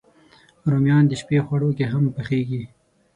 رومیان د شپی خواړو کې هم پخېږي